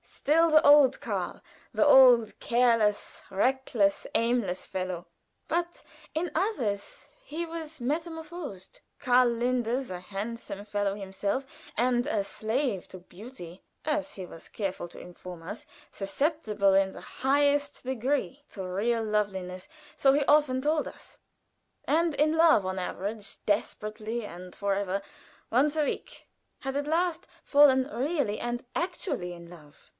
still the old Karl the old careless, reckless, aimless fellow; but in others he was metamorphosed. Karl Linders, a handsome fellow himself and a slave to beauty, as he was careful to inform us susceptible in the highest degree to real loveliness so he often told us and in love on an average, desperately and forever, once a week, had at last fallen really and actually in love.